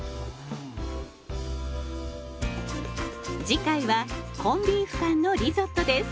次回はコンビーフ缶のリゾットです。